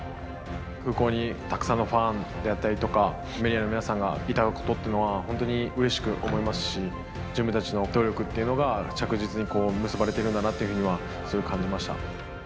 空港にたくさんのファンであったりとか、メディアの皆さんがいたことっていうのは、本当にうれしく思いますし、自分たちの努力っていうのが、着実に結ばれてるんだなっていうのは、すごい感じました。